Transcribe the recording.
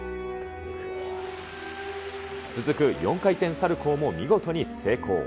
続く４回転サルコーも見事に成功。